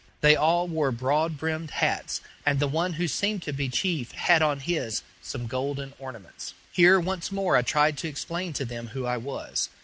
They all wore broad brimmed hats, and the one who seemed to be chief had on his some golden ornaments. Here once more I tried to explain to them who I was.